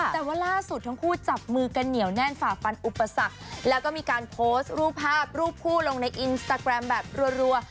แต่ว่าล่าสุดทั้งคู่จับมือกันเหนียวแน่นฝ่าฟันอุปสรรคแล้วก็มีการโพสต์รูปภาพรูปคู่ลงในอินสตาแกรมแบบรัว